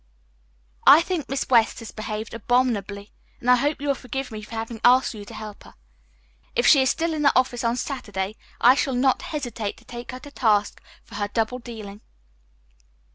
"I think Miss West has behaved abominably, and I hope you will forgive me for having asked you to help her. If she is still in the office on Saturday I shall not hesitate to take her to task for her double dealing."